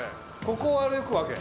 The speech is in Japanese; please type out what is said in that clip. ここを歩くわけ？